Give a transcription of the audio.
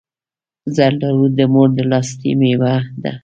زردالو د مور د لاستی مېوه ده.